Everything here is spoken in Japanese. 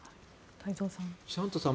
太蔵さん。